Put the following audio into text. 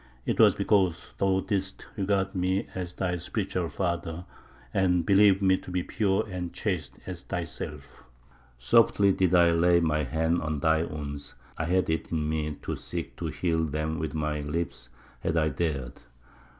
It was because thou didst regard me as thy spiritual father, and believe me to be pure and chaste as thyself. Softly did I lay my hand on thy wounds; I had it in me to seek to heal them with my lips, had I dared....